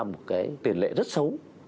một cái tuyển lệ rất xấu